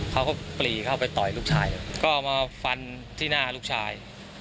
ปรีเข้าไปต่อยลูกชายก็เอามาฟันที่หน้าลูกชาย